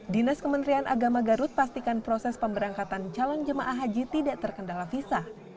dinas kementerian agama garut pastikan proses pemberangkatan calon jemaah haji tidak terkendala visa